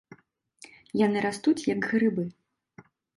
Яны растуць як грыбы.